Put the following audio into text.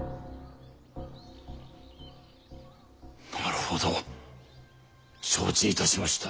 なるほど承知いたしました。